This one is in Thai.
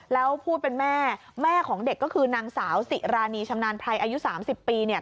แล้วผู้เป็นแม่แม่ของเด็กก็คือนางสาวสิรานีชำนาญไพรอายุ๓๐ปีเนี่ย